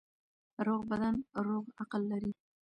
روغ بدن روغ عقل لري.